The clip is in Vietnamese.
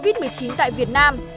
dịch covid một mươi chín tại việt nam